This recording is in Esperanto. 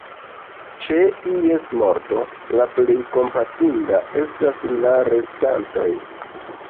Ĉe ies morto, la plej kompatindaj estas la restantoj.